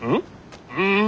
うん？